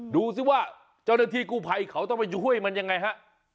ดูสิว่าเจ้าหน้าที่กู้ภัยเขาต้องไปช่วยมันยังไงฮะ